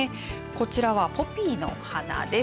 こちらはポピーの花です。